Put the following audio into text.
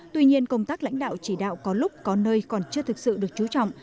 tuy nhiên công tác lãnh đạo chỉ đạo có lúc có nơi còn chưa thực sự được chú trọng